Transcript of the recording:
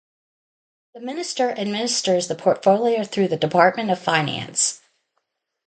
The minister administers the portfolio through the Department of Finance.